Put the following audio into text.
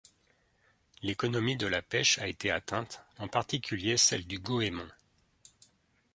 L'économie de la pêche a été atteinte, en particulier celle du goémon.